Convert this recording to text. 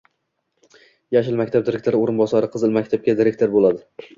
“Yashil maktab” direktori o‘rinbosari “Qizil maktab”ga direktor bo‘ladi